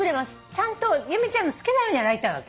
ちゃんと由美ちゃんの好きなように洗いたいわけ？